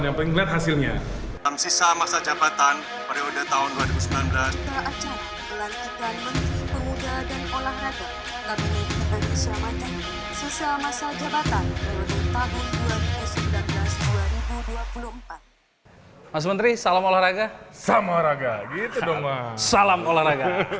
yang pengen hasilnya sisa masa jabatan pada tahun dua ribu sembilan belas mas menteri salam olahraga salam olahraga